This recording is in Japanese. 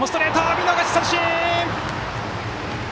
見逃し三振！